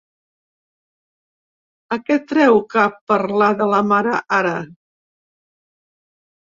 A què treu cap parlar de la mare, ara?